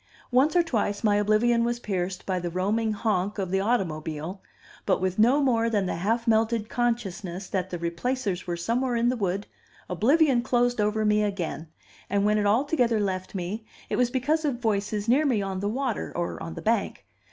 Once or twice my oblivion was pierced by the roaming honk of the automobile; but with no more than the half melted consciousness that the Replacers were somewhere in the wood, oblivion closed over me again; and when it altogether left me, it was because of voices near me on the water, or on the bank.